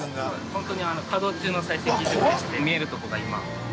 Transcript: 本当に、角地の採石場でして見えるところが、今。